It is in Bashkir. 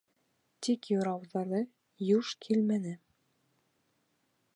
Тик юрауҙары юш килмәне.